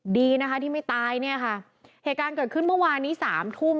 ดีนะคะที่ไม่ตายเนี่ยค่ะเหตุการณ์เกิดขึ้นเมื่อวานนี้สามทุ่ม